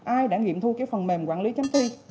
ai đã nghiệm thu cái phần mềm quản lý chấm thi